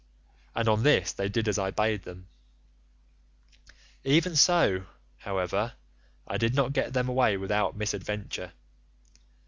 And on this they did as I bade them. "Even so, however, I did not get them away without misadventure.